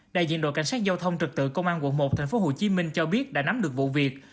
đại diện đội cảnh sát giao thông trực tự công an quận một tp hcm cho biết đã nắm được vụ việc